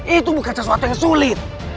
itu bukan sesuatu yang sulit